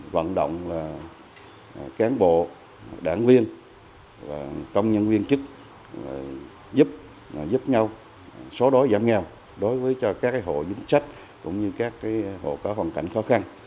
vận động là cán bộ đảng viên và công nhân viên chức giúp nhau số đối giảm nghèo đối với cho các hộ chính sách cũng như các hộ có hoàn cảnh khó khăn